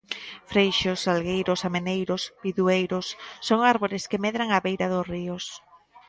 Freixos, salgueiros, ameneiros, bidueiros, son árbores que medran á beira dos ríos